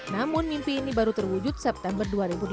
namun mimpi ini baru terwujud september dua ribu delapan belas